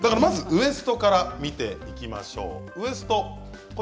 ウエストから見ていきましょう。